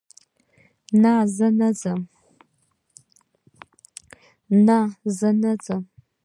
نه، زه نه ځم